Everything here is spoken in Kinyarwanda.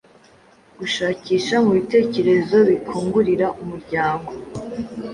Gushakisha mu bitekerezo bikingurira umuryango